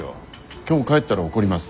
今日帰ったら怒ります。